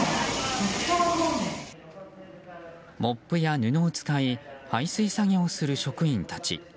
モップや布を使い排水作業をする職員たち。